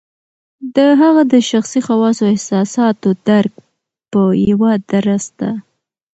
د هغه د شخصي خواصو او احساساتو درک په یوه درسته